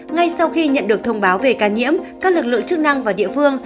ngay sau khi nhận được thông báo về ca nhiễm các lực lượng chức năng và địa phương